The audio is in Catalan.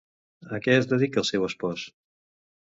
A què es dedica el seu espòs?